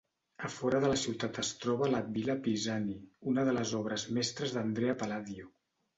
A fora de la ciutat es troba la "Villa Pisani", una de les obres mestres d'Andrea Palladio.